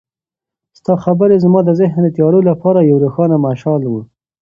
ستا خبرې زما د ذهن د تیارو لپاره یو روښانه مشال و.